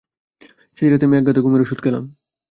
সেই রাতে আমি একগাদা ঘুমের ওষুধ খেলাম।